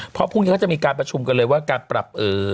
เพราะพรุ่งนี้เขาจะมีการประชุมกันเลยว่าการปรับ